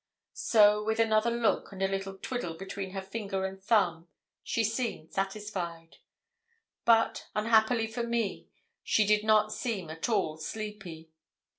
So, with another look and a little twiddle between her finger and thumb, she seemed satisfied; but, unhappily for me, she did not seem at all sleepy.